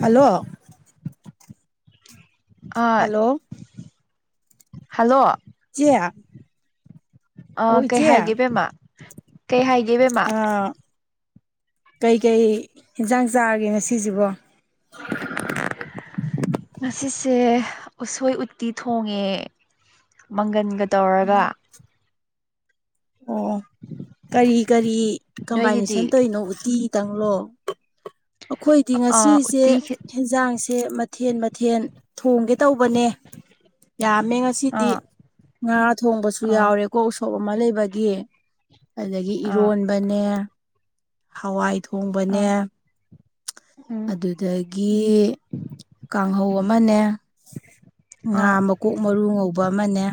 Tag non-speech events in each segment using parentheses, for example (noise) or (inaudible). hello ꯑꯥ hello hello ꯆꯦ ꯑꯥ ꯀꯩ ꯍꯥꯏꯒꯦꯕꯃ ꯀꯩ ꯍꯥꯏꯒꯦꯕꯦꯝꯃ ꯑ ꯀꯩꯀꯩ ꯏꯟꯁꯥꯡ ꯆꯥꯔꯒꯦ ꯉ ꯁꯤꯁꯤꯕꯣ ꯉꯁꯤꯁꯦ ꯎꯁꯣꯏ ꯎꯇꯤ ꯊꯣꯡꯉꯦ ꯃꯪꯒꯟꯒ ꯇꯧꯔꯒ ꯑꯣ ꯀꯔꯤ ꯀꯔꯤ ꯀꯝꯕꯥꯏꯅꯦꯁꯟ ꯅꯣꯏꯒꯤꯗꯤ ꯇꯧꯔꯤꯅꯣ ꯎꯇꯤ ꯇꯪꯂꯣ ꯑꯩꯈꯣꯏꯗꯤ ꯑꯥ ꯉꯁꯤꯁꯦ ꯎꯇꯤ ꯌꯦꯦꯟꯖꯥꯡꯁꯦ ꯁꯦ ꯃꯊꯦꯟ ꯃꯊꯦꯜ ꯊꯣꯡꯒꯦ ꯇꯧꯕꯅꯦ ꯌꯥꯝꯃꯦ ꯉꯁꯤꯗꯤ ꯑꯥ ꯉꯥ ꯊꯣꯡꯕꯁꯨ ꯑꯥ ꯌꯥꯎꯔꯦꯀꯣ ꯎꯁꯣꯞ ꯑꯃ ꯂꯩꯕꯒꯤ ꯑꯗꯨꯗꯒꯤ ꯑꯥ ꯏꯔꯣꯟꯕꯅꯦ ꯍꯋꯥꯏ ꯊꯣꯡꯕꯅꯦ ꯑꯥ ꯎꯝ ꯑꯗꯨꯗꯒꯤ ꯀꯥꯡꯍꯧ ꯑꯃꯅꯦ ꯉꯥ ꯑꯥ ꯃꯀꯣꯛ ꯃꯔꯨ ꯉꯧꯕ ꯑꯃꯅꯦ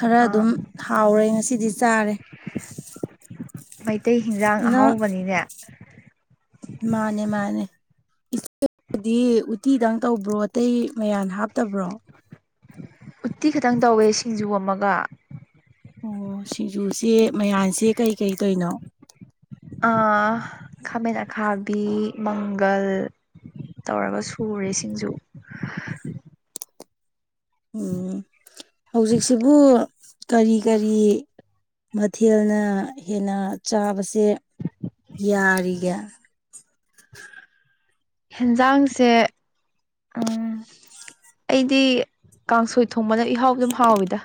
ꯈꯔ ꯑꯥ ꯑꯗꯨꯝ ꯍꯥꯎꯔꯦ ꯉꯁꯤꯗꯤ ꯆꯥꯔꯦ ꯃꯩꯇꯩ ꯍꯤꯟꯖꯥꯡ ꯏꯅ ꯑꯍꯥꯎꯕꯅꯤꯅꯦ ꯃꯥꯅꯦ ꯃꯥꯅꯦ ꯏꯆꯗꯤ ꯎꯇꯤꯗꯪ ꯇꯧꯕ꯭ꯔꯣ ꯑꯇꯩ ꯃꯌꯥ ꯍꯥꯞꯇꯕ꯭ꯔꯣ ꯎꯠꯇꯤ ꯈꯇꯪ ꯇꯧꯋꯦ ꯁꯤꯡꯖꯨ ꯑꯃꯒ ꯑꯣ ꯁꯤꯡꯖꯨꯁꯦ ꯃꯌꯥꯁꯦ ꯀꯩꯀꯩꯗꯣꯏꯅꯣ ꯈꯥꯃꯦꯟ ꯑꯈꯥꯕꯤ ꯃꯪꯒꯜ ꯇꯧꯔꯒ ꯁꯨꯔꯦ ꯁꯤꯡꯖꯨ (unintelligible) (inaudible) ꯎꯝ ꯍꯧꯖꯤꯛꯁꯤꯕꯨ ꯀꯔꯤ ꯀꯔꯤ ꯃꯊꯦꯜꯅ ꯍꯦꯟꯅ ꯆꯥꯕꯁꯦ ꯌꯥꯔꯤꯒ ꯍꯦꯟꯖꯥꯡꯁꯦ ꯎꯝ ꯑꯩꯗꯤ ꯀꯥꯡꯁꯣꯏ ꯊꯣꯡꯕꯅ ꯏꯍꯥꯎ ꯑꯗꯨꯝ ꯍꯥꯎꯋꯤꯗ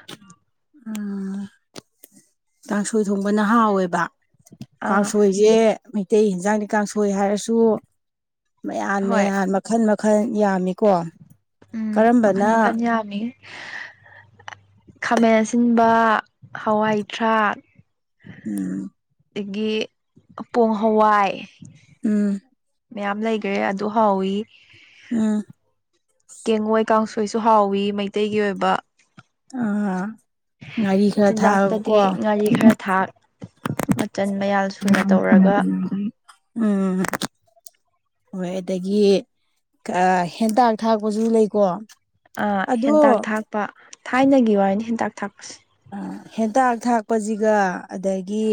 ꯎ ꯀꯥꯡꯥꯡꯁꯣꯏ ꯊꯣꯡꯕꯅ ꯍꯥꯎꯋꯦꯕ ꯑꯥ ꯀꯥꯡꯁꯣꯏꯁꯦ ꯃꯩꯇꯩ ꯏꯟꯁꯥꯡꯗꯤ ꯀꯥꯡꯁꯣꯏ ꯍꯥꯏꯔꯁꯨ ꯃꯌꯥꯟ ꯍꯣꯏ ꯃꯌꯥꯟ ꯃꯈꯜ ꯃꯈꯜ ꯌꯥꯝꯃꯤꯀꯣ ꯎꯝ ꯃꯈꯟ ꯀꯔꯝꯕꯅ ꯃꯈꯟ ꯌꯥꯝꯃꯤ ꯈꯥꯃꯦꯟ ꯑꯁꯤꯟꯕ ꯍꯋꯥꯏꯊꯔꯥꯛ ꯎꯝ ꯑꯗꯒꯤ ꯄꯣꯡ ꯍꯋꯥꯏ ꯎꯝ ꯃꯌꯥꯝ ꯂꯩꯈ꯭ꯔꯦ ꯑꯗꯨ ꯍꯥꯎꯋ ꯎꯝ ꯀꯦꯡꯉꯣꯏ ꯀꯥꯡꯁꯣꯏꯁꯨ ꯍꯥꯎꯋꯤ ꯃꯩꯇꯩꯒꯤ ꯑꯣꯏꯕ ꯑꯥ ꯉꯔꯤ ꯈꯔ ꯊꯥꯑꯕꯀꯣ ꯆꯤꯟꯖꯥꯛꯇꯗꯤ ꯉꯥꯔꯤ ꯈꯔ ꯊꯥꯛ ꯃꯆꯜ ꯃꯌꯥꯜ ꯑ ꯁꯨꯅ ꯊꯅ ꯇꯧꯔꯒ ꯎꯝ ꯍꯣꯏ ꯑꯗꯒꯤ ꯍꯦꯟꯇꯥꯛ ꯊꯥꯛꯄꯁꯨ ꯂꯩꯀꯣ ꯑ ꯑꯗꯣ ꯍꯦꯟꯇꯥꯛ ꯊꯥꯛꯄ ꯊꯥꯏꯅꯒꯤ ꯋꯥꯔꯤꯅꯤ ꯍꯦꯟꯇꯥꯛ ꯊꯥꯛꯄꯁꯦ ꯍꯦꯟꯇꯥꯛ ꯊꯥꯛꯄꯁꯤꯒ ꯑꯗꯒꯤ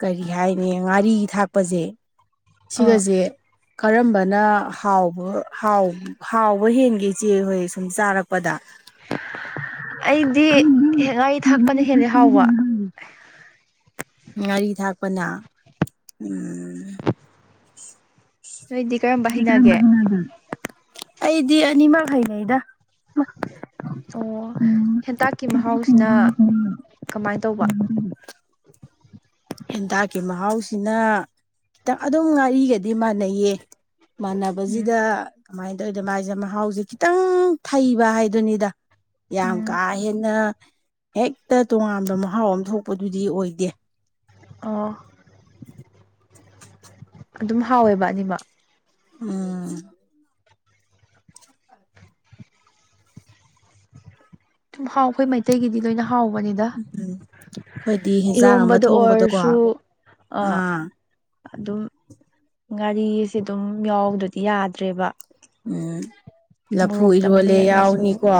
ꯀꯔꯤ ꯍꯥꯏꯅꯤ ꯉꯥꯔꯤ ꯊꯥꯛꯄꯁꯦ ꯑꯥ ꯁꯤꯒꯁꯦ ꯀꯔꯝꯕꯅ ꯍꯥꯎꯕ ꯍꯥꯎꯕ ꯍꯦꯟꯒꯦ ꯏꯆꯦ ꯍꯣꯏ ꯁꯨꯝ ꯆꯥꯔꯛꯄ ꯄꯗ ꯁꯤ ꯉꯥꯏ ꯊꯥꯛꯄꯅ ꯍꯦꯗꯤ ꯍꯥꯎꯕ ꯉꯥꯔꯤ ꯊꯥꯛꯄꯅ ꯎꯝ ꯅꯣꯏꯗꯤ ꯀꯔꯝꯕ ꯍꯅꯒꯦ ꯑꯩꯗꯤ ꯑꯅꯤ ꯃꯈꯉꯩꯗ ꯑꯣ ꯍꯦꯟꯇꯥꯛꯀꯤ ꯃꯍꯥꯎꯁꯤꯅ ꯀꯃꯥꯏꯅ ꯇꯧꯕ (unintelligible) ꯍꯦꯟꯗꯥꯛꯀꯤ ꯃꯍꯥꯎꯁꯤꯅ ꯈꯤꯇꯪ ꯑꯗꯨꯝ ꯉꯥꯔꯤꯒꯗꯤ ꯃꯥꯟꯅꯩꯌꯦ ꯎꯝ ꯃꯥꯟꯅꯕꯁꯤꯗ ꯀꯃꯥꯏꯅ ꯇꯧꯔꯤꯗꯅ ꯃꯥꯥꯏꯁꯦ ꯃꯍꯥꯎꯁꯦ ꯈꯤꯇꯪ ꯊꯩꯕ ꯍꯥꯏꯗꯨꯅꯤꯗ ꯌꯥꯝ ꯎꯝ ꯀꯥꯍꯦꯟꯅ ꯍꯦꯛꯇ ꯇꯣꯉꯥꯟꯕ ꯃꯍꯥꯎ ꯑꯃ ꯊꯣꯛꯄꯗꯨꯗꯤ ꯑꯣꯏꯗꯦ ꯑꯣ (unintelligible) ꯑꯗꯨꯝ ꯍꯥꯎꯋꯦꯕ ꯑꯅꯤꯃꯛ ꯎꯝ ꯁꯨꯝ ꯍꯥꯎ ꯑꯩꯈꯣꯏ ꯃꯩꯇꯩꯒꯤꯗꯤ ꯂꯣꯏꯅ ꯍꯥꯎꯕꯅꯤꯗ ꯎꯝ ꯑꯩꯈꯣꯏꯗꯤ ꯍꯦꯟꯖꯥꯡ ꯑꯃ ꯏꯔꯣꯝꯕꯗ ꯊꯣꯡꯕꯗꯀꯣ ꯑꯣꯏꯔꯁꯨ ꯑ ꯑꯥ ꯑꯗꯨꯝ ꯒꯥꯔꯤꯁꯦ ꯑꯗꯨꯝ ꯌꯥꯎꯗꯗꯤ ꯌꯥꯗ꯭ꯔꯦꯕ ꯎꯝ ꯂꯐꯨ ꯃꯣꯔꯣꯛꯇ ꯏꯔꯣꯜꯂꯦ ꯃꯦꯠꯂꯁꯨ ꯌꯥꯎꯅꯤꯀꯣ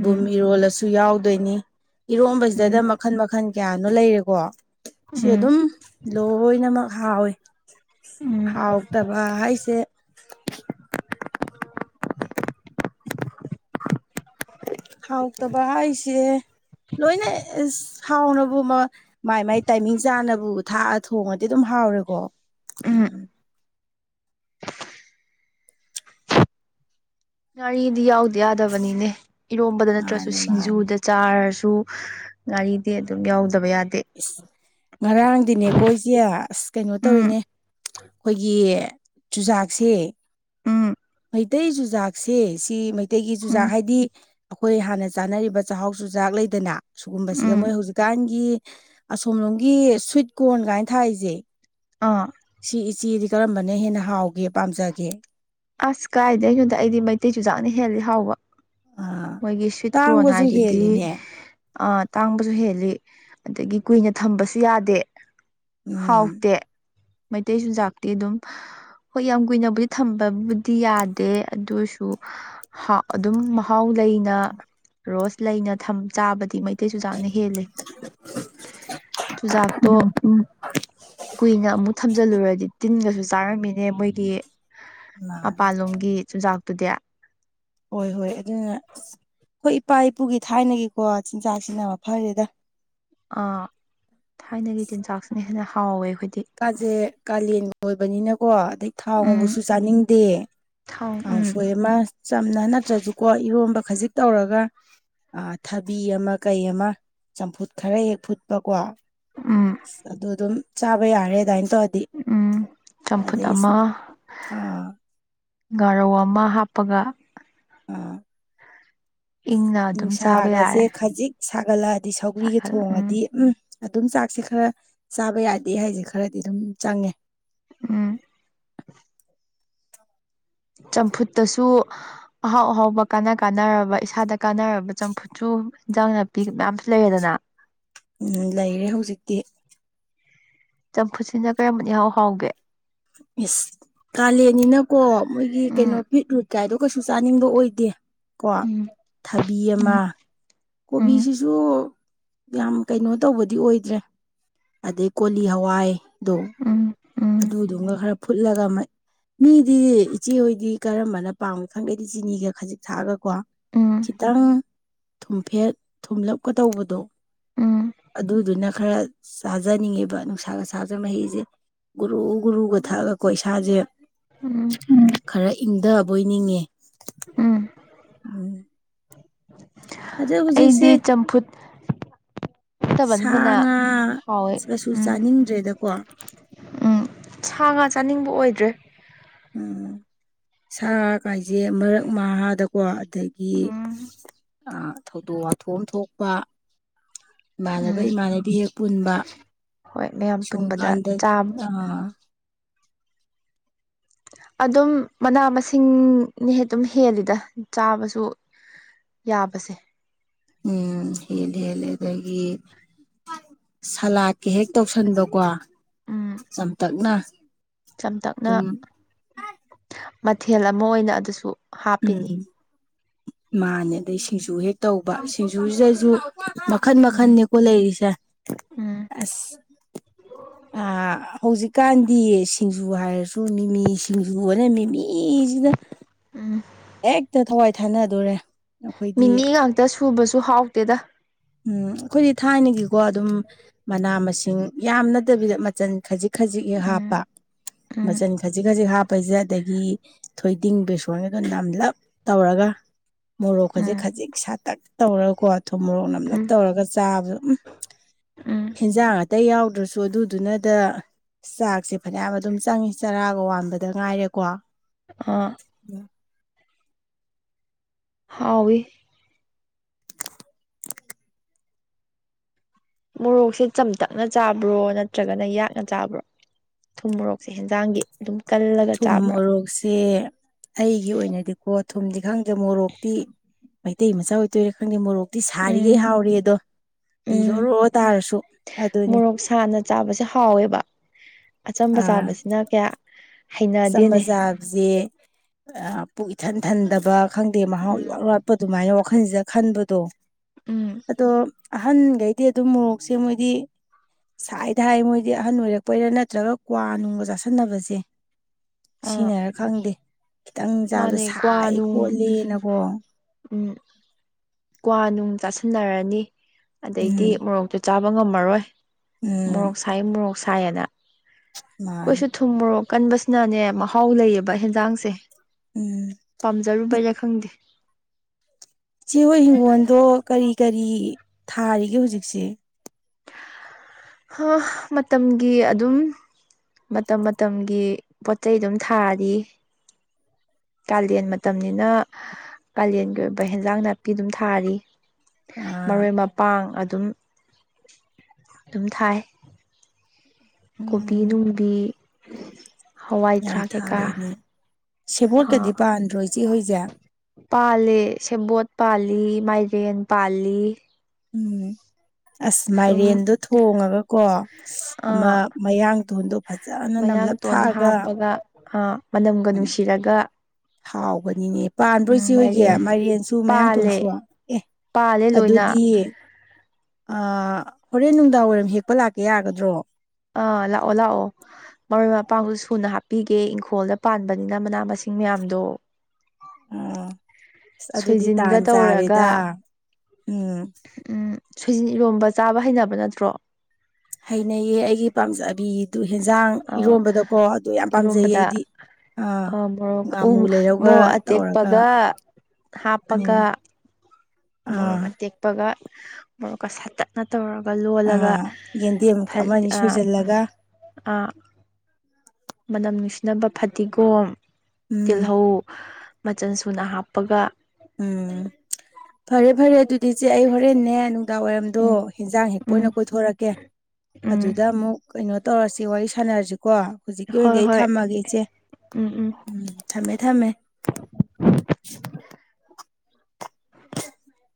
ꯎꯝ ꯏꯔꯣꯜꯂꯁꯨ ꯁꯨ ꯌꯥꯎꯗꯣꯏꯅꯤ ꯏꯔꯣꯝꯕꯁꯤꯗ ꯎꯝ ꯃꯈꯟ ꯃꯈꯟ ꯀꯌꯥꯅꯣ ꯂꯩꯔꯦꯀꯣ ꯁꯤ ꯎꯝ ꯑꯗꯨꯝ ꯂꯣꯏꯅꯃꯛ ꯍꯥꯎꯋꯦ ꯎꯝ ꯍꯥꯎꯇꯕ ꯍꯥꯏꯁꯦ ꯍꯥꯎꯇꯕ ꯑꯩꯁꯦ ꯂꯣꯏꯅ ꯍꯥꯎꯅꯕ ꯃꯥꯏ ꯃꯥꯏ ꯇꯥꯏꯃꯤꯡ ꯆꯥꯅꯕꯨ ꯊꯥꯛꯑ ꯊꯣꯡꯉꯗꯤ ꯑꯗꯨꯝ ꯍꯥꯎꯔꯦꯀꯣ ꯎꯝ ꯉꯥꯔꯤꯗꯤ ꯌꯥꯎꯗꯤ ꯌꯥꯗꯕꯅꯤꯅꯦ ꯏꯔꯣꯝꯕꯗ ꯅꯠꯇ꯭ꯔꯁꯨ ꯃꯥꯅꯦ ꯃꯥꯅꯦ ꯁꯤꯡꯖꯨꯗ ꯆꯥꯔꯁꯨ ꯒꯥꯔꯤꯗꯤ ꯑꯗꯨꯝ ꯌꯥꯎꯗ ꯏꯁꯁ ꯉꯔꯥꯡꯗꯤꯅꯦꯀꯣ ꯏꯁꯦ ꯑꯁ ꯀꯩꯅꯣ ꯎꯝ ꯇꯧꯔꯤꯅꯦ ꯑꯩꯈꯣꯏꯒꯤ ꯆꯨꯖꯥꯛꯁꯦ ꯎꯝ ꯃꯩꯇꯩ ꯆꯨꯖꯥꯛꯁꯦ ꯁꯤ ꯃꯩꯇꯩꯒꯤ ꯎꯝ ꯆꯨꯖꯥꯥꯛ ꯍꯥꯏꯗꯤ ꯑꯩꯈꯣꯏ ꯍꯥꯟꯅ ꯆꯥꯅꯔꯤꯕ ꯆꯥꯛꯍꯥꯎ ꯆꯨꯖꯥꯛ ꯂꯩꯗꯅ ꯁꯨꯒꯨꯝꯕꯁꯤꯒ ꯎꯝ ꯃꯣꯏ ꯍꯧꯖꯤꯛꯀꯥꯟꯒꯤ ꯑꯁꯣꯝꯂꯣꯝꯒꯤ ꯁ꯭ꯋꯤꯠ ꯀꯣꯔꯟ ꯀꯥꯏꯅ ꯊꯥꯔꯤꯁꯦ ꯑꯥ ꯁꯤ ꯏꯆꯦꯗꯤ ꯀꯔꯝꯕꯅ ꯍꯦꯟꯅ ꯍꯥꯎꯒꯦ ꯄꯥꯝꯖꯒꯦ ꯑꯁ ꯀꯥꯏꯗꯦ ꯑꯩꯉꯣꯟꯗ ꯑꯩꯗꯤ ꯃꯩꯇꯩ ꯆꯨꯖꯥꯛꯅ ꯍꯦꯜꯂꯤ ꯍꯥꯎꯕ ꯑꯥ ꯃꯣꯏꯒꯤ ꯁ꯭ꯋꯤꯠꯀ꯭ꯔꯣꯟ ꯇꯥꯡꯕꯁꯨ ꯍꯥꯏꯗꯨꯗꯤ ꯍꯦꯜꯂꯤꯅꯦ ꯑꯥ ꯇꯥꯡꯕꯁꯨ ꯍꯦꯜꯂꯤ ꯑꯗꯒꯤ ꯀꯨꯏꯅ ꯊꯝꯕꯁꯨ ꯌꯥꯗꯦ ꯎꯝ ꯍꯥꯎꯇꯦ ꯃꯩꯇꯩ ꯆꯤꯟꯖꯥꯛꯇꯤ ꯑꯗꯨꯝ ꯍꯣꯏ ꯌꯥꯝ ꯀꯨꯏꯅꯕꯨꯗꯤ ꯊꯝꯕꯕꯨꯗꯤ ꯌꯥꯗꯦ ꯑꯗꯨꯁꯨꯥꯎ ꯑꯗꯨꯝ ꯊꯥꯎ ꯂꯩꯅ ꯔꯣꯁ ꯂꯩꯅ ꯆꯥꯕꯗꯤ ꯃꯩꯇꯩ ꯆꯨꯖꯥꯛꯅ ꯍꯦꯜꯂꯤꯦ ꯆꯨꯖꯥꯛꯇꯣ ꯀꯨꯏꯅ ꯑꯃꯨꯛ ꯊꯝꯖꯤꯜꯂꯨꯔꯗꯤ ꯇꯤꯟꯒꯁꯨ ꯆꯥꯔꯝꯃꯤꯅꯦ ꯃꯣꯏꯒꯤ ꯃꯥ ꯃꯄꯥꯟꯂꯣꯝꯒꯤ ꯆꯨꯖꯥꯛꯇꯨꯗꯤ ꯍꯣꯏ ꯍꯣꯏ ꯑꯗꯨꯅ ꯑ ꯍꯣꯏ ꯏꯄꯥ ꯏꯄꯨꯒꯤ ꯊꯥꯏꯅꯒꯤꯀꯣ ꯆꯤꯟꯖꯥꯛ ꯁꯤꯟꯅꯕ ꯐꯔꯦꯗ ꯑ ꯊꯥꯏꯅꯒꯤ ꯆꯤꯟꯖꯥꯛꯁꯤꯅ ꯍꯦꯟꯅ ꯍꯥꯎꯋꯦ ꯑꯩꯈꯣꯏꯗꯤ ꯀꯥꯁꯦ ꯀꯥꯂꯦꯟ ꯑꯣꯏꯣꯏꯕꯅꯤꯅꯀꯣ ꯑꯗꯩ ꯊꯥꯎ ꯎꯝ ꯉꯕꯨꯁꯨ ꯆꯥꯅꯤꯡꯗꯦ ꯊꯥꯎ ꯎꯝ ꯀꯥꯡꯁꯣꯏ ꯑꯃ ꯆꯝꯅ ꯅꯠꯇ꯭ꯔꯁꯨꯀꯣ ꯏꯔꯣꯟꯝꯕ ꯈꯖꯤꯛ ꯇꯧꯔꯒ ꯑ ꯊꯕꯤ ꯑꯃ ꯀꯩ ꯑꯃ ꯆꯝꯐꯨꯠ ꯈꯔ ꯍꯦꯛ ꯐꯨꯠꯄꯀꯣ ꯎꯝ ꯑꯗꯨ ꯑꯗꯨꯝ ꯆꯥꯕ ꯌꯥꯔꯦ ꯑꯗꯨꯗꯥꯏꯅ ꯎꯝ ꯆꯝꯐꯨꯠ ꯑꯃ ꯑꯥ ꯒꯥꯔꯧ ꯑꯃ ꯍꯥꯞꯄꯒ ꯑꯥ ꯏꯪꯅ ꯑꯗꯨꯝ ꯆꯥꯕ ꯅꯨꯡꯁꯥꯒꯁꯦ ꯌꯥꯔꯦ ꯈꯖꯤꯛ ꯁꯥꯒꯠꯂꯛꯑꯗꯤ ꯁꯧꯒ꯭ꯔꯤꯒ ꯊꯣꯡꯉꯗꯤ ꯎꯝ ꯑꯗꯨꯝ ꯆꯥꯛꯁꯦ ꯈꯔ ꯆꯥꯕ ꯌꯥꯗꯦ ꯍꯥꯏꯁꯦ ꯈꯔꯗꯤ ꯑꯗꯨꯝ ꯆꯪꯉꯦ ꯎꯝ ꯆꯝꯐꯨꯠꯇꯁꯨ ꯑꯍꯥꯎ ꯑꯍꯥꯎꯕ ꯀꯥꯟꯅ ꯀꯥꯟꯅꯔꯕ ꯏꯁꯥꯗ ꯀꯥꯟꯅꯔꯕ ꯆꯝꯐꯨꯠꯁꯨ ꯑꯣ ꯏꯟꯖꯥꯡ ꯅꯥꯄꯤ ꯃꯌꯥꯝꯁꯨ ꯂꯩꯔꯦꯗꯅ ꯎꯝ ꯂꯩꯔꯦ ꯍꯧꯖꯤꯛꯇꯤ ꯆꯝꯐꯨꯠꯁꯤꯅ ꯀꯌꯥꯝꯝꯕ ꯍꯥꯎ ꯍꯥꯎꯒꯦ ꯏꯁꯁ ꯀꯥꯂꯦꯟꯅꯤꯅꯀꯣ ꯃꯣꯏꯒꯤ ꯀꯩꯅꯣ ꯎꯝ ꯐꯤꯠꯔꯨꯠ ꯀꯥꯏꯗꯣ ꯀꯩꯁꯨ ꯆꯥꯅꯤꯡꯕ ꯑꯣꯏꯗꯦ ꯀꯣ ꯎꯝ ꯊꯕꯤ ꯑꯃ ꯎꯝ ꯎꯝ ꯀꯣꯕꯤꯁꯤꯁꯨ ꯌꯥꯝ ꯀꯩꯅꯣ ꯇꯧꯕꯗꯤ ꯑꯣꯏꯗ꯭ꯔꯦ ꯑꯗꯩ ꯀꯣꯂꯤ ꯍꯋꯥꯏ ꯑꯗꯨꯣ ꯎꯝ ꯎꯝ ꯑꯗꯨꯗꯨꯒ ꯈꯔ ꯐꯨꯠꯂꯒ ꯃꯤꯗꯤ ꯏꯆꯦꯍꯣꯏꯗꯤ ꯀꯔꯝꯕꯅ ꯄꯥꯝꯃꯤ ꯈꯪꯒꯦꯗꯤ ꯆꯤꯅꯤꯒ ꯈꯖꯤꯛ ꯊꯥꯛꯑꯒ ꯀꯣ ꯎꯝ ꯈꯤꯇꯪ ꯊꯨꯝꯐꯦ ꯊꯨꯝꯂꯞꯀꯗꯧꯕꯗꯣ ꯎꯝ ꯑꯗꯨꯗꯨꯅ ꯈꯔ ꯆꯥꯖꯅꯤꯡꯉꯦꯕ ꯅꯨꯡꯁꯥꯒ ꯁꯥꯗ ꯃꯍꯤꯁꯦ ꯒꯨꯔꯨ ꯒꯨꯔꯨꯒ ꯊꯛꯑꯒꯀꯣ ꯏꯁꯥꯁꯦ ꯎꯝ ꯈꯔ ꯏꯪꯊꯕꯣꯏ ꯅꯤꯡꯉꯦ ꯎꯝ ꯎꯝ ꯑꯗꯣ ꯍꯧꯖꯤꯛꯁꯦ ꯑꯩꯗꯤ ꯆꯝꯐꯨꯠ ꯐꯠꯇꯕꯅ ꯁꯥ ꯍꯦꯟꯅ ꯉꯥ ꯍꯥꯎꯋꯦ ꯀꯩꯁꯨ ꯎꯝ ꯆꯥꯅꯤꯡꯗ꯭ꯔꯦꯗꯀꯣ ꯎꯝ ꯁꯥ ꯉꯥ ꯆꯥꯅꯤꯡꯕ ꯑꯣꯏꯗ꯭ꯔꯦ ꯑꯣ ꯁꯥ ꯀꯥꯏꯁꯦ ꯃꯔꯛ ꯃꯍꯥꯗꯀꯣ ꯑꯗꯒꯤ ꯎꯝ ꯊꯧꯗꯣꯛ ꯋꯥꯊꯣꯛ ꯊꯣꯛꯄ ꯏꯃꯥꯟꯅꯕ ꯎꯝ ꯏꯃꯥꯟꯅꯕꯤ ꯍꯦꯛ ꯄꯨꯟꯕ ꯍꯣꯏ ꯃꯌꯥꯝ ꯁꯨ ꯄꯨꯟꯕꯗ ꯀꯥꯟꯗ ꯆꯥꯕ ꯑꯥ ꯑꯗꯨꯝ ꯃꯅꯥ ꯃꯁꯤꯡꯅꯍꯦ ꯑꯗꯨꯝ ꯍꯦꯜꯂꯤꯗ ꯆꯥꯕꯁꯨ ꯌꯥꯕꯁꯦ ꯎꯝ ꯍꯦꯜꯂ ꯍꯦꯜꯂ ꯑꯗꯒꯤ ꯁꯂꯥ ꯀꯩ ꯍꯦꯛ ꯇꯧꯁꯟꯕꯀꯣ ꯎꯝ ꯆꯝꯇꯛꯅ ꯆꯝꯇꯛꯅ ꯑꯗꯨꯝ ꯃꯊꯦꯜ ꯑꯃ ꯑꯣꯏꯅ ꯑꯗꯨꯁꯨ ꯎꯝ ꯍꯥꯞꯄꯤꯅꯤ ꯃꯥꯅꯦ ꯑꯗꯩ ꯁꯤꯡꯖꯨ ꯍꯦꯛ ꯇꯧꯕ ꯁꯤꯡꯖꯨꯁꯤꯗꯁꯨ ꯃꯈꯟ ꯎꯝ ꯃꯈꯟꯅꯤꯀꯣ ꯂꯩꯔꯤꯁꯦ ꯎꯝ ꯑꯁ ꯑ ꯍꯧꯖꯤꯛꯀꯥꯟꯗꯤ ꯁꯤꯡꯖꯨ ꯍꯥꯏꯔꯁꯨ ꯃꯤꯃꯤ ꯁꯤꯡꯖꯨꯅ ꯃꯤꯃꯤ ꯏꯁꯤꯅ ꯎꯝ ꯍꯦꯛꯇ ꯊꯋꯥꯏ ꯊꯥꯅꯗꯣꯔꯦ ꯑꯩꯈꯣꯏꯗꯤ ꯃꯤꯃꯤ ꯉꯥꯛꯇ ꯁꯨꯕꯁꯨ ꯍꯥꯎꯇꯦꯗ ꯎꯝ ꯑꯩꯈꯣꯏꯗꯤ ꯊꯥꯏꯅꯒꯤꯀꯣ ꯑꯗꯨꯝ ꯃꯅꯥ ꯃꯁꯤꯡ ꯌꯥꯝ ꯅꯠꯇꯕꯤꯗ ꯃꯆꯜ ꯈꯖꯤꯛ ꯈꯖꯤꯛ ꯍꯦꯛ ꯎꯝ ꯍꯥꯞꯄ ꯎꯝ ꯃꯆꯜ ꯈꯖꯤꯛ ꯈꯖꯤꯛ ꯍꯥꯞꯄꯁꯦ ꯑꯗꯒꯤ ꯊꯣꯏꯗꯤꯡ ꯕꯦꯁꯣꯟꯒ ꯑ ꯅꯝꯂꯞ ꯇꯧꯔꯒ ꯃꯣꯔꯣꯛ ꯈꯖꯤꯛ ꯎꯝ ꯈꯖꯤꯛ ꯁꯥꯇꯛ ꯇꯧꯔꯒꯀꯣ ꯊꯨꯝ ꯃꯣꯔꯣꯛ ꯅꯝꯂꯞ ꯎꯝ ꯇꯧꯔꯒ ꯆꯥꯕꯗ ꯎꯝ ꯎꯝ ꯍꯦꯟꯖꯥꯡ ꯑꯇꯩ ꯌꯥꯎꯗ꯭ꯔꯁꯨ ꯑꯗꯨꯗꯨꯅꯗ ꯆꯥꯛꯁꯦ ꯐꯅꯌꯥꯝ ꯑꯗꯨꯝ ꯆꯪꯉꯤ ꯆꯔꯥꯒ ꯋꯥꯕꯗ ꯉꯥꯏꯔꯦꯀꯣ ꯑ ꯍꯥꯎꯋꯤ ꯃꯣꯔꯣꯛꯁꯦ ꯆꯝꯇꯛꯅ ꯆꯥꯕ꯭ꯔꯣ ꯅꯠꯇ꯭ꯔꯒꯅ ꯌꯥꯛꯅ ꯆꯥꯕ꯭ꯔꯣ ꯊꯨꯝ ꯃꯣꯔꯣꯛꯁꯦ ꯍꯟꯖꯥꯡꯒꯤ ꯑꯗꯨꯝ ꯀꯜꯂꯒ ꯊꯨꯝ ꯆꯥꯕ꯭ꯔꯥ ꯃꯣꯔꯣꯛꯁꯦ ꯑꯩꯒꯤ ꯑꯣꯏꯅꯗꯤꯀꯣ ꯊꯨꯝꯗꯤ ꯈꯪꯗ ꯑꯗ ꯃꯣꯔꯣꯛꯇꯤ ꯃꯩꯇꯩ ꯃꯆꯥ ꯑꯣꯏꯇꯣꯏꯔꯥ ꯈꯪꯗꯦ ꯃꯣꯔꯣꯛꯇꯤ ꯎꯝ ꯁꯥꯔꯤꯈꯩ ꯍꯥꯎꯔꯤ ꯑꯗꯣ ꯎꯝ ꯄꯤꯒꯧꯔꯣ ꯇꯥꯔꯁꯨ ꯑꯗꯨꯅꯤ ꯃꯣꯔꯣꯛ ꯁꯥꯅ ꯆꯥꯕꯁꯦ ꯍꯥꯎꯋꯦꯕ ꯑꯆꯝꯕ ꯆꯥꯕꯁꯤꯅ ꯀꯌꯥ ꯑꯆꯝꯕ ꯍꯩꯅꯗꯦꯅꯦ ꯆꯥꯕꯁꯦ ꯄꯨꯛ ꯏꯊꯟ ꯊꯟꯗꯕ ꯈꯪꯗꯦ ꯃꯍꯥꯎ ꯎꯝ ꯏ ꯋꯥꯠ ꯋꯥꯠꯄ ꯑꯗꯨꯃꯥꯏꯅ ꯋꯥꯈꯜꯁꯤꯗ ꯈꯟꯕꯗꯣ ꯎꯝ ꯑꯗꯣ ꯑꯍꯟꯈꯩꯗꯤ ꯑꯗꯨꯝ ꯃꯣꯔꯣꯛꯁꯦ ꯃꯣꯏꯗꯤ ꯁꯥꯏꯗ ꯍꯥꯏ ꯃꯣꯏꯗꯤ ꯑꯍꯟ ꯑꯣꯏꯔꯛꯄꯩꯔꯥ ꯅꯠꯇ꯭ꯔꯒ ꯀ꯭ꯋꯥ ꯅꯨꯡꯒ ꯆꯥꯥꯁꯟꯅꯕꯁꯦ ꯑꯥ ꯁꯤꯅꯔ ꯈꯪꯗꯦ ꯈꯤꯇꯪ ꯆꯥꯕꯗ ꯃꯥꯅꯦ ꯁꯥꯏ ꯀ꯭ꯋꯥꯅꯨꯡ ꯈꯣꯠꯂꯦꯅꯀꯣ ꯎꯝ ꯀ꯭ꯋꯥ ꯅꯨꯡ ꯆꯥꯁꯤꯟꯅꯔꯅꯤ ꯑꯗꯩꯗꯤ ꯎꯝ ꯃꯣꯔꯣꯛꯇꯨ ꯆꯥꯕ ꯉꯝꯃꯔꯣꯏ ꯎꯝ ꯃꯣꯔꯣꯛ ꯁꯥꯏ ꯃꯣꯔꯣꯛ ꯁꯥꯏꯌꯦꯅ ꯃꯥꯅꯤ ꯀꯣꯏꯁꯨ ꯊꯨꯝ ꯃꯣꯔꯣꯛ ꯀꯟꯕꯁꯤꯅꯅꯦ ꯃꯍꯥꯎ ꯂꯩꯌꯦꯕ ꯌꯦꯟꯖꯥꯡꯁꯦ ꯎꯝ ꯄꯥꯝꯖꯔꯨꯕꯩꯔ ꯈꯪꯗꯦ ꯆꯦ ꯍꯣꯏ ꯍꯤꯡꯒꯣꯜꯗꯣ ꯀꯔꯤ ꯀꯔꯤ ꯊꯥꯔꯤꯒꯦ ꯍꯧꯖꯤꯛꯁꯦ ꯃꯇꯝꯒꯤ ꯑꯗꯨꯝ ꯃꯇꯝ ꯃꯇꯝꯒꯤ ꯄꯣꯠ ꯆꯩꯩ ꯑꯗꯨꯝ ꯊꯥꯔꯤ ꯀꯥꯂꯦꯟ ꯃꯇꯝꯅꯤꯅ ꯀꯥꯂꯦꯟꯒꯤ ꯑꯣꯏꯕ ꯍꯦꯟꯖꯥꯡ ꯅꯥꯄꯤ ꯑꯗꯨꯝ ꯊꯥꯔꯤ ꯑꯥ ꯃꯔꯣꯏ ꯃꯄꯥꯡ ꯑꯗꯨꯝ ꯑꯗꯨꯝ ꯊꯥꯏ ꯀꯣꯕꯤ ꯎꯝ ꯅꯨꯡꯕꯤ ꯌꯥꯝ ꯍꯋꯥꯏꯊꯔꯥꯛ ꯀꯩꯀꯥ ꯊꯥꯔꯤꯅꯤ ꯑ ꯁꯦꯕꯣꯠꯀꯗꯤ ꯄꯥꯟꯗ꯭ꯔꯣ ꯏꯆꯦ ꯍꯣꯏꯁꯦ ꯄꯥꯂꯦ ꯁꯕꯠ ꯄꯥꯜꯂꯤꯦ ꯂꯤ ꯃꯥꯏꯕꯦꯟ ꯄꯥꯜꯂꯤ ꯎꯝ ꯑꯁ ꯑꯗꯨꯝ ꯃꯥꯏꯔꯦꯟꯗꯣ ꯊꯣꯡꯉꯒꯀꯣ ꯑꯃ ꯃꯌꯥꯡ ꯊꯣꯟꯗꯣ ꯐꯖꯅ ꯅꯝ ꯑꯥꯡꯇꯣꯟ ꯍꯥꯞꯄꯒ ꯃꯅꯝꯒ ꯎꯝ ꯅꯨꯡꯁꯤꯔꯒ ꯍꯥꯎꯕꯅꯤꯅꯦ ꯎꯝ ꯄꯥꯟꯕꯣꯏꯁꯤ ꯍꯣꯏꯒꯤ ꯃꯥꯏꯔꯦꯟ ꯃꯥꯏꯔꯦꯟꯁꯨ ꯄꯥꯜꯂꯦ ꯃꯌꯥꯡꯇꯣꯟꯁꯨ ꯑꯦ ꯄꯥꯜꯂꯦ ꯂꯣꯏꯅ ꯑ ꯍꯣꯔꯦꯟ ꯅꯨꯡꯗꯥꯡ ꯋꯥꯏꯔꯝ ꯍꯦꯛꯄ ꯂꯥꯛꯀꯦ ꯌꯥꯒꯗ꯭ꯔꯣ ꯑꯥ ꯂꯥꯛꯑꯣ ꯂꯥꯛꯑꯣ ꯃꯔꯣꯏ ꯃꯄꯥꯡꯁꯨ ꯁꯨꯅ ꯍꯥꯞꯄꯤꯒꯦ ꯏꯪꯈꯣꯜꯗ ꯄꯥꯟꯕꯅꯤꯅ ꯃꯅꯥ ꯃꯁꯤꯡ ꯃꯌꯥꯝꯗꯣ ꯑꯣ ꯑꯁ ꯑꯗꯨꯗꯤ ꯁꯣꯏꯖꯤꯟꯒ ꯇꯥꯟ ꯇꯧꯔꯒ ꯆꯥꯔꯦꯗ ꯎꯝ ꯁꯣꯏꯟ ꯏꯔꯣꯝꯕ ꯆꯥꯕ ꯍꯩꯅꯕ ꯅꯠꯇ꯭ꯔꯣ ꯍꯩꯅꯩꯌꯦ ꯑꯩꯒꯤ ꯄꯥꯝꯖꯕꯤ ꯑꯗꯨ ꯍꯦꯟꯖꯥꯡ ꯑꯥ ꯏꯔꯣꯟꯝꯕꯗꯀꯣ ꯑꯗꯨ ꯌꯥꯝ ꯄꯥꯝꯖꯩꯌꯦ ꯑꯩꯗꯤ ꯑꯥ ꯑ ꯃ ꯎ ꯉꯥꯃꯨ ꯃ ꯂꯩꯔꯧꯒ ꯇꯧꯔꯒ ꯑꯇꯦꯛꯄꯒ ꯍꯥꯞꯄꯒ ꯎꯝ ꯃꯣꯔꯣꯛ ꯑꯥ ꯑꯇꯦꯛꯄꯒ ꯃꯣꯔꯣꯛꯀ ꯁꯥꯇꯠꯅ ꯇꯧꯔꯒ ꯂꯣꯜꯂꯒ ꯑꯥ ꯌꯦꯟꯗꯦꯝ ꯑꯃꯅꯤ ꯁꯣꯏꯖꯜꯂꯒ ꯃꯅꯝ ꯅꯨꯡꯁꯤꯅꯕ ꯐꯗꯤꯒꯣꯝ ꯎꯝ ꯇꯤꯜꯍꯧ ꯃꯆꯜ ꯁꯨꯅ ꯍꯥꯞꯄꯒ ꯎꯝ ꯐꯔꯦ ꯐꯔꯦ ꯑꯗꯨꯗꯤ ꯏꯆꯦ ꯑꯩ ꯍꯣꯔꯦꯟꯟꯅ ꯅꯨꯡꯗꯥꯡ ꯋꯥꯏꯔꯝꯗꯣ ꯎꯝ ꯍꯦꯟꯖꯥꯡ ꯍꯦꯛꯄ ꯎꯝ ꯑꯣꯏꯅ ꯀꯣꯏꯊꯣꯔꯛꯀꯦ ꯎꯝ ꯑꯗꯨꯗ ꯑꯃꯨꯛ ꯀꯩꯅꯣ ꯇꯧꯔꯁꯤ ꯋꯥꯔꯤ ꯁꯥꯟꯅꯔꯁꯤꯀꯣ ꯍꯧꯖꯤꯛꯀꯤ ꯑꯣꯏꯅꯗꯤ ꯍꯣꯏ ꯑꯩ ꯍꯣꯏ ꯊꯝꯃꯒꯦ ꯏꯆꯦ ꯎꯝ ꯊꯝꯃꯦ ꯊꯃꯦ (inaudible)